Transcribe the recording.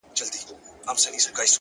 د زړورتیا اصل د وېرې منل دي,